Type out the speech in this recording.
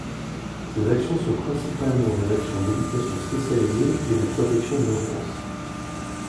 Ses actions sont principalement des actions d'éducation spécialisée et de protection de l'enfance.